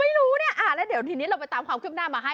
ไม่รู้เนี่ยแล้วเดี๋ยวทีนี้เราไปตามความคืบหน้ามาให้